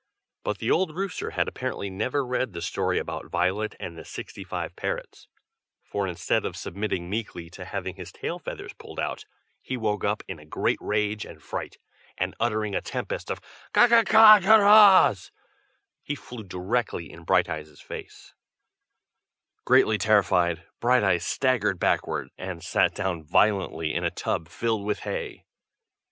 But the old rooster had apparently never read the story about Violet and the sixty five parrots; for instead of submitting meekly to having his tail feathers pulled out, he woke up in a great rage and fright, and uttering a tempest of "ka ka kaaa ka raws" he flew directly in Brighteye's face. Greatly terrified, Brighteyes staggered backward, and sat down violently in a tub filled with hay.